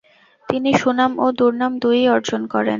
তিনি সুনাম ও দুর্নাম দুই-ই অর্জন করেন।